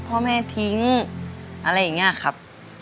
พ่อแม่ทิ้งอะไรอย่างนี้ครับ